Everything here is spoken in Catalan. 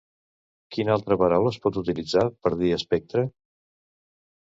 Quina altra paraula es pot utilitzar per dir “espectre”?